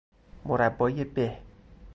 مربای به